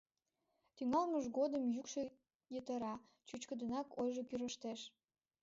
Тӱҥалмыж годым йӱкшӧ йытыра, чӱчкыдынак ойжо кӱрыштеш.